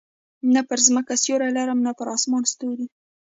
نه پر مځکه سیوری لرم، نه پر اسمان ستوری.